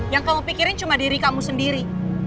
yang kamu pikirin cuma diri kamu sendiri